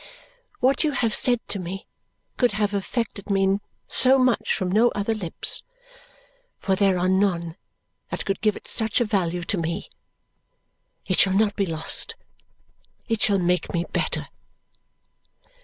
What you have said to me could have affected me so much from no other lips, for there are none that could give it such a value to me. It shall not be lost. It shall make me better."